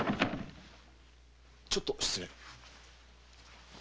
・ちょっと失礼。